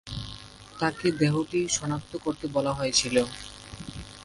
তাকে দেহটি শনাক্ত করতে বলা হয়েছিল।